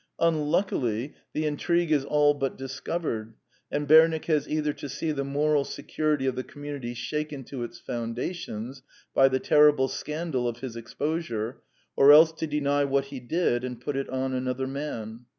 Unluckily, the intrigue 86 The Quintessence of Ibsenism is all but discovered; and Bernick has either to see the moral security of the community shaken to its foundations by the terrible scandal of his exposure, or else to deny what he did and put it on another man.